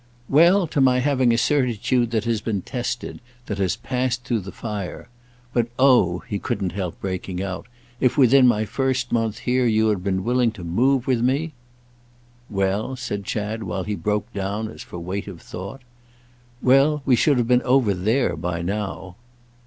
"Well, to my having a certitude that has been tested—that has passed through the fire. But oh," he couldn't help breaking out, "if within my first month here you had been willing to move with me—!" "Well?" said Chad, while he broke down as for weight of thought. "Well, we should have been over there by now."